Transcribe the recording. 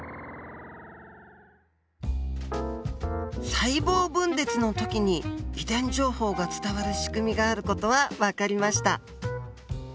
細胞分裂の時に遺伝情報が伝わる仕組みがある事は分かりました。